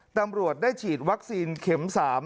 ตำรวจได้ฉีดวัคซีนเข็ม๓